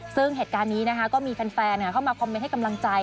ซึ่งเหตุการณ์นี้นะคะก็มีแฟนเข้ามาคอมเมนต์ให้กำลังใจ